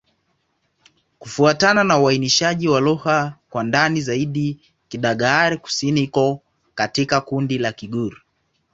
Kufuatana na uainishaji wa lugha kwa ndani zaidi, Kidagaare-Kusini iko katika kundi la Kigur.